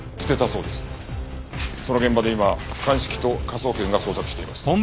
その現場で今鑑識と科捜研が捜索しています。